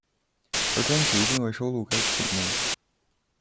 而专辑并未收录该曲目。